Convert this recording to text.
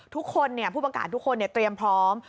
ทุกคนผู้บังการทุกคนเตรียมพร้อม